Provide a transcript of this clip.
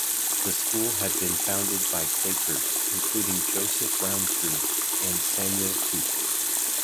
The school had been founded by Quakers including Joseph Rowntree and Samuel Tuke.